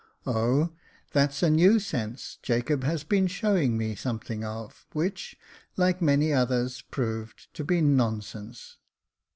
" Oh ! that's a new sense Jacob has been showing me something of, which, like many others, proved to be non sense."